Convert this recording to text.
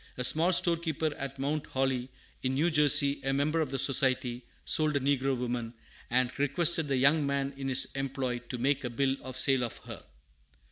A small storekeeper at Mount Holly, in New Jersey, a member of the Society, sold a negro woman, and requested the young man in his employ to make a bill of sale of her.